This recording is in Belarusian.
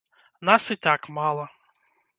Нас і так мала.